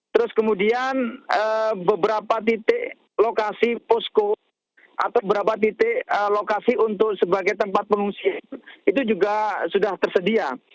terus kemudian beberapa titik lokasi posko atau beberapa titik lokasi untuk sebagai tempat pengungsian itu juga sudah tersedia